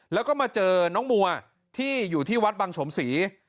แล้วก็มาเจอน้องมัวที่อยู่ที่วัดบังสมศรี